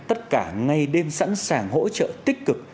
tất cả ngay đêm sẵn sàng hỗ trợ tích cực